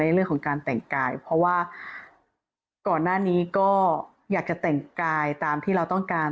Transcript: เรื่องของการแต่งกายเพราะว่าก่อนหน้านี้ก็อยากจะแต่งกายตามที่เราต้องการ